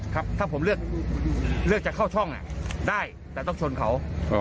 ครับถ้าผมเลือกจะเข้าช่องได้แต่ต้องชนเขา